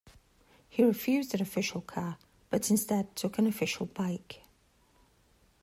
He refused an official car, but instead took an official bike.